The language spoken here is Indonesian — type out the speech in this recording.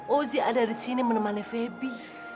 ozzy ada di sini menemani feby